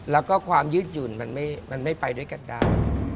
แล้วก็ความยืดหยุ่นมันไม่ไปด้วยกันได้